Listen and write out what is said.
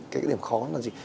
cái điểm khó là gì